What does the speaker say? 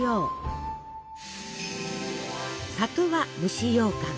「里」は蒸しようかん。